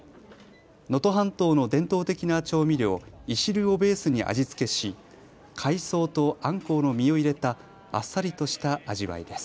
能登半島の伝統的な調味料、いしるをベースに味付けし海藻とあんこうの身を入れたあっさりとした味わいです。